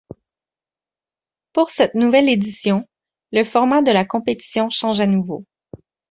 Pour cette nouvelle édition, le format de la compétition change à nouveau.